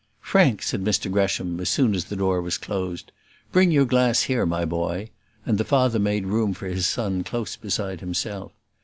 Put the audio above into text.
"Frank," said Mr Gresham, as soon as the door was closed, "bring your glass here, my boy;" and the father made room for his son close beside himself.